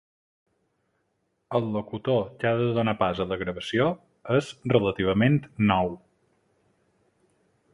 El locutor que ha de donar pas a la gravació és relativament nou.